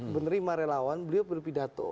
menerima relawan beliau berpidato